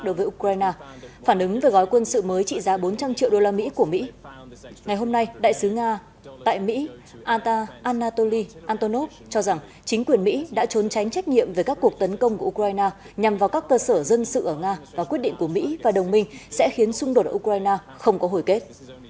đối với ukraine phản ứng về gói quân sự mới trị giá bốn trăm linh triệu usd của mỹ ngày hôm nay đại sứ nga tại mỹ anatoly antonov cho rằng chính quyền mỹ đã trốn tránh trách nhiệm về các cuộc tấn công của ukraine nhằm vào các cơ sở dân sự ở nga và quyết định của mỹ và đồng minh sẽ khiến xung đột ở ukraine không có hồi kết